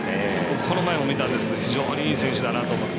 この前も見たんですけど非常にいい選手だなと思って。